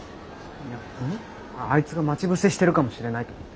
いやあいつが待ち伏せしてるかもしれないと思って。